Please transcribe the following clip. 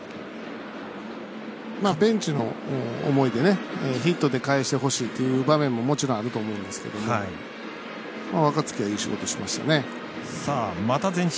ベンチの思いでヒットでかえしてほしいっていう場面も、もちろんあると思うんですけど若月がいい仕事してましたね。